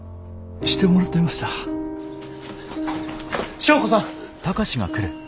祥子さん！